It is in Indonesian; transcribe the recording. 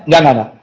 gak gak gak